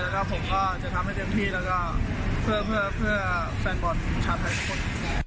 แล้วก็ผมก็จะทำให้เต็มที่แล้วก็เพื่อแฟนบอลชาวไทยทุกคน